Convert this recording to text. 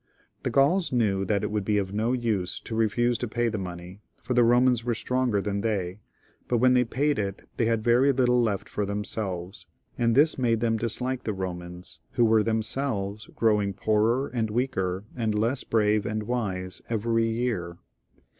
The Gauls knew that it would be of no use to refuse to pay the money, for the Romans were stronger than they ; but when they paid it they had very little left for themselves, and this made them dislike the Romans, who were themselves growing poorer and weaker, and less brave and wise, every year.